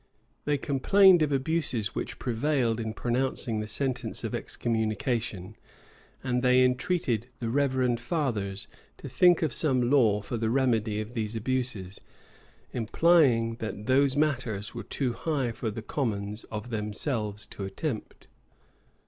They complained of abuses which prevailed in pronouncing the sentence of excommunication, and they entreated the reverend fathers to think of some law for the remedy of these abuses: implying that those matters were too high for the commons of themselves to attempt.